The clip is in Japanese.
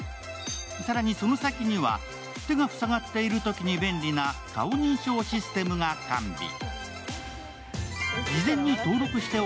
更に、その先には、手が塞がっているときに便利な顔認証システムが完備。